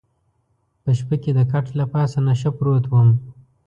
په شپه کې د کټ له پاسه نشه پروت وم.